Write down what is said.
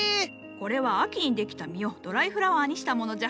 これは秋にできた実をドライフラワーにしたものじゃ。